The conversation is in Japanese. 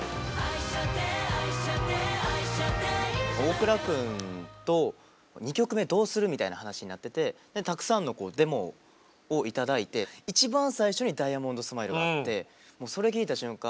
大倉くんと「２曲目どうする？」みたいな話になっててたくさんのデモをいただいて一番最初に「ダイヤモンドスマイル」があってもうそれ聴いた瞬間